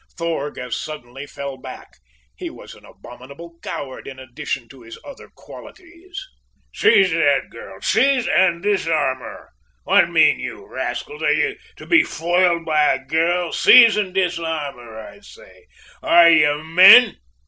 Thorg as suddenly fell back. He was an abominable coward in addition to his other qualities. "Seize that girl! Seize and disarm her! What mean you, rascals? Are you to be foiled by a girl? Seize and disarm her, I say! Are you men?"